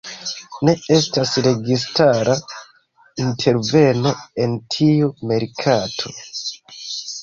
Ne estas registara interveno en tiu merkato.